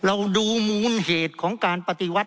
เพราะเรามี๕ชั่วโมงครับท่านนึง